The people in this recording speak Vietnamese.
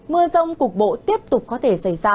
mưa rông cục bộ tiếp tục có thể xảy ra